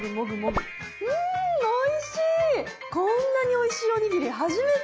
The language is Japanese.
こんなにおいしいおにぎり初めて！